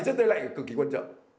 chân đây lạnh cực kỳ quan trọng